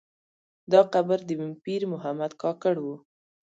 دا قبر د پیر محمد کاکړ و.